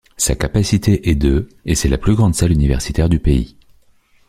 Sa capacité est de et c'est la grande salle universitaire du pays.